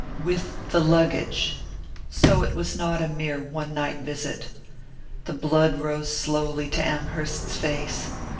With the luggage! So it was not a mere one night visit. The blood rose slowly to Amherst's face.